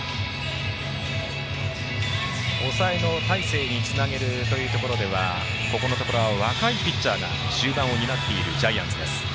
抑えの大勢につなげるというところではここのところは若いピッチャーが終盤を担っているジャイアンツ。